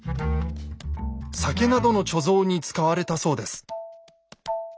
酒などの貯蔵に使われたそうです。